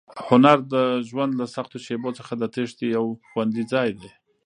هنر د ژوند له سختو شېبو څخه د تېښتې یو خوندي ځای دی.